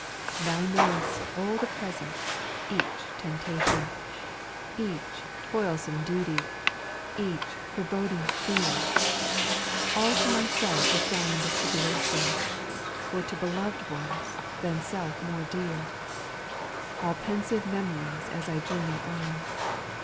3. "Thou knowest" all the present, each temp* tation, Each toilsome duty, each foreboding fear All to myself assign'd of tril^ulation. Or to beloved ones, than self more dear I All pensive memories as I journey on.